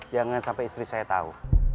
jangan sampai istri saya tahu